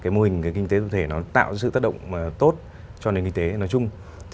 mô hình kinh tế tập thể tạo ra sự tác động tốt cho nền kinh tế nói chung